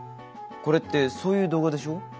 これってそういう動画でしょ？